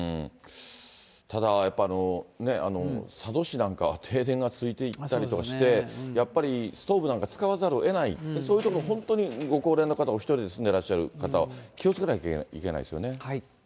ただやっぱり、佐渡市なんかは停電が続いていたりとかして、やっぱりストーブなんか使わざるをえない、そういう所、本当にご高齢の方、お１人で住んでらっしゃる方、気をつけないといけないですよね。